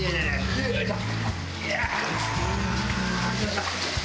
よいしょ！